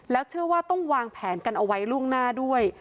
เชื่อว่าต้องวางแผนกันเอาไว้ล่วงหน้าด้วย